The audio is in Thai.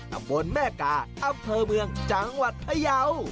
ตำบลแม่กาอำเภอเมืองจังหวัดพยาว